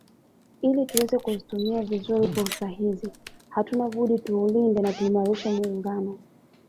Ili tuweze kuzitumia vizuri fursa hizi hatuna budi tuulinde na tuuimarishe Muungano